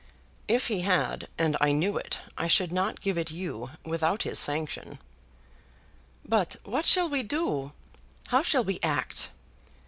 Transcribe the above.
"If he had, and I knew it, I should not give it you without his sanction." "But what shall we do? How shall we act?